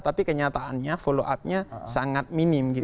tapi kenyataannya follow upnya sangat minim gitu